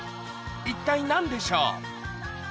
一体何でしょう？